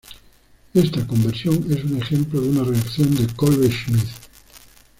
Esta conversión es un ejemplo de una reacción de Kolbe-Schmitt.